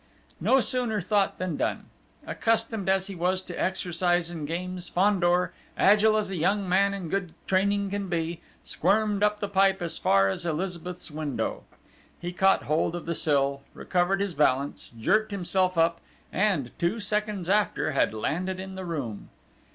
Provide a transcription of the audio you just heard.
No sooner thought than done! Accustomed as he was to exercise and games, Fandor, agile as a young man in good training can be, squirmed up the pipe as far as Elizabeth's window. He caught hold of the sill, recovered his balance, jerked himself up, and, two seconds after, had landed in the room.